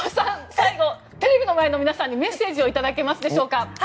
最後、テレビの前の皆さんにメッセージを頂けますでしょうか。